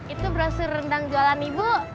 itu brosur rendang jualan ibu